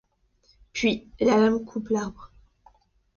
Puis, la lame coupe l'arbre.